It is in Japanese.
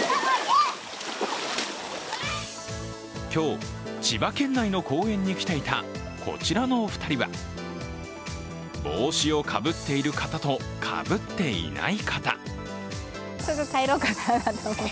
今日、千葉県内の公園に来ていたこちらのお二人は帽子をかぶっている方とかぶっていない方。